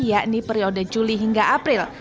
yakni periode juli hingga april